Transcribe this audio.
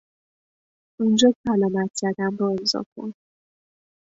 اونجا که علامت زدم رو امضا کن